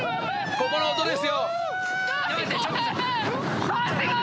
ここの音ですよ。